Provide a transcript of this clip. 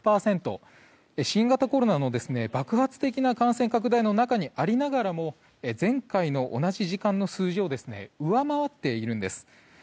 新型コロナの爆発的な感染拡大の中にありながらも前回の同じ時間の数字を上回っているンです。